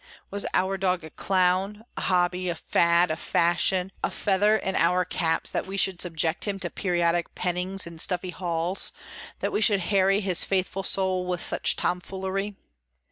Was our dog a clown, a hobby, a fad, a fashion, a feather in our caps that we should subject him to periodic pennings in stuffy halls, that we should harry his faithful soul with such tomfoolery?